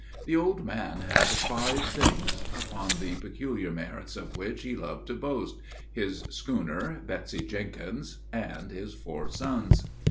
The old man had five things, upon the peculiar merits of which he loved to boast his schooner, "Betsy Jenkins," and his four sons.